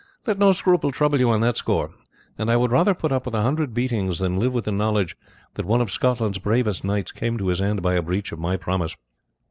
Let no scruple trouble you on that score; and I would rather put up with a hundred beatings than live with the knowledge that one of Scotland's bravest knights came to his end by a breach of my promise.